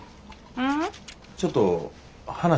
うん。